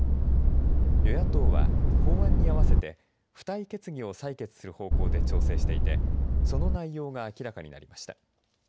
与野党は法案に合わせて付帯決議を採決する方向で調整していてその内容が明らかになりました。